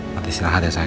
nanti istirahat ya sayang